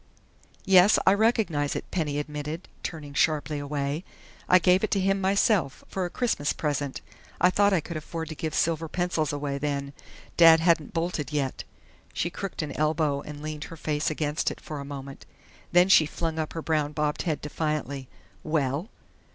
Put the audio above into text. "Yes, I recognize it," Penny admitted, turning sharply away. "I gave it to him myself, for a Christmas present. I thought I could afford to give silver pencils away then. Dad hadn't bolted yet " She crooked an elbow and leaned her face against it for a moment. Then she flung up her brown bobbed head defiantly. "Well?"